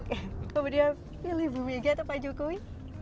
eh kemudian pilih bu mega atau pak jokowi